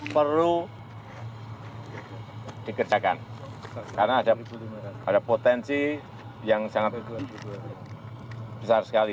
perlu dikerjakan karena ada potensi yang sangat besar sekali